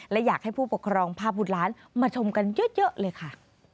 และอยากให้ผู้ปกครองพาบุตรล้านมาชมกันเยอะเลยค่ะ